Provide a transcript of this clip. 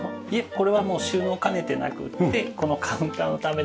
これはもう収納を兼ねてなくてこのカウンターのためだけに。